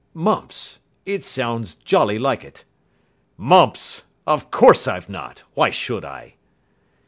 "Mumps. It sounds jolly like it." "Mumps! Of course I've not. Why should I?"